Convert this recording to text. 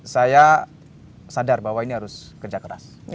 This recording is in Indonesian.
saya sadar bahwa ini harus kerja keras